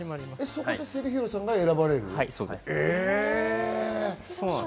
そこでセルヒオさんが選ばれるんだ。